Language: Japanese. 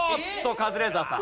カズレーザーさん。